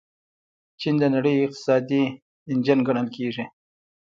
چین د نړۍ اقتصادي انجن ګڼل کیږي.